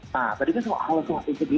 nah tadi kan soal hal hal yang sedih